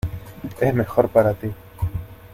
es mejor para ti.